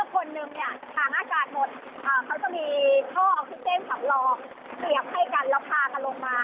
เขาจะมีท่อออกซิเซ็นถังรอเกลียบให้กันแล้วพากันลงมา